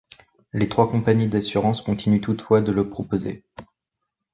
Les trois compagnies d’assurances continuent toutefois de le proposer.